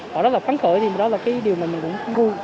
họ rất là kháng khởi thì đó là cái điều mà mình cũng vui